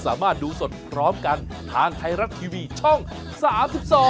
สวัสดีค่ะ